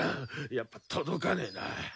やっぱ届かねえな。